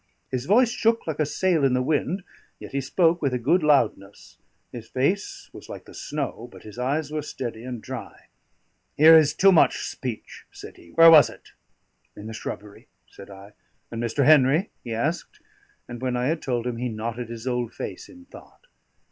His voice shook like a sail in the wind, yet he spoke with a good loudness; his face was like the snow, but his eyes were steady and dry. "Here is too much speech," said he. "Where was it?" "In the shrubbery," said I. "And Mr. Henry?" he asked. And when I had told him he knotted his old face in thought.